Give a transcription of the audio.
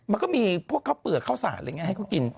มันก็มีพวกเขาเปลือกข้าวสาหารให้เขากิน